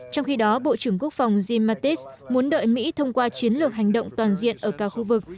trong khi đó bộ trưởng quốc phòng jim mattis muốn đợi mỹ thông qua chiến lược hành động toàn diện ở cả khu vực